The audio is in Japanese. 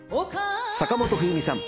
坂本冬美さん